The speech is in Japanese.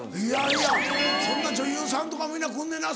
いやいやそんな女優さんとか皆来んねんな。